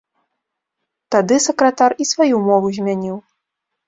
Тады сакратар і сваю мову змяніў.